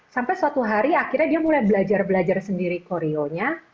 sampai suatu hari akhirnya dia mulai belajar belajar sendiri koreonya